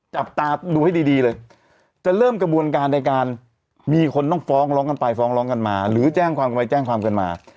จับตาดูให้ดีเลยจะเริ่มกระบวนการในการมีคนต้องฟ้องร้องกันไปฟ้องร้องกันมาหรือแจ้งความกันไปแจ้งความกันมา